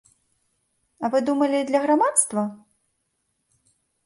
А вы думалі, для грамадства?